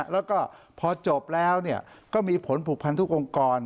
แล้วก็พอจบแล้วก็มีผลผูกพันทุกองค์กร